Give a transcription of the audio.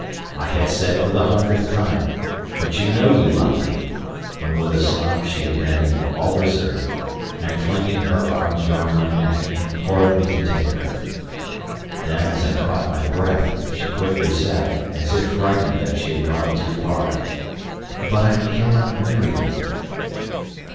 I had said for the hundredth time, "But you know you love me," when with a sob she abandoned all reserve, and, flinging her arms round my neck, implored me to take her. Then, as I caught my breath, she quickly said, as if frightened that she had gone too far, "But I cannot marry you."